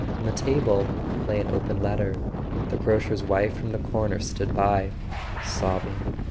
On the table lay an open letter. The grocer's wife from the corner stood by, sobbing.